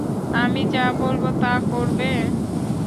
আমি যা বলবো তা করবে?